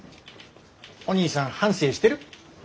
お兄さん反省してる？